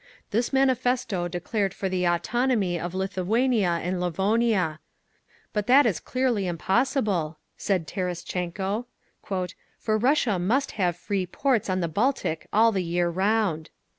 This Manifesto declared for the autonomy of Lithuania and Livonia; "but that is clearly impossible," said Terestchenko, "for Russia must have free ports on the Baltic all the year round….